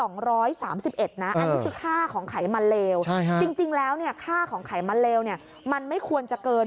อันนี้คือค่าของไขมันเลวจริงแล้วค่าของไขมันเลวมันไม่ควรจะเกิน